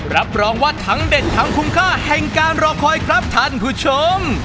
รับรองว่าทั้งเด็ดทั้งคุ้มค่าแห่งการรอคอยครับท่านผู้ชม